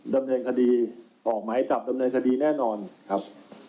ดำเนินคดีออกหมายจับดำเนินคดีแน่นอนครับ